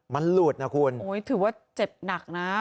มันหลุดนะคุณโอ้ยถือว่าเจ็บหนักนะ